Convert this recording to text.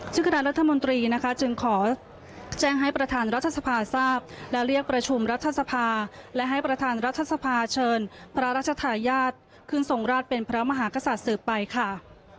ซึ่งคณะรัฐมนตรีนะคะจึงขอแจ้งให้ประธานรัฐสภาทราบและเรียกประชุมรัฐสภาและให้ประธานรัฐสภาเชิญพระราชทายาทขึ้นทรงราชเป็นพระมหากษัตริย์สืบไปค่ะ